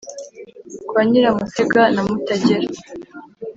kwa nyiramutega na mutagera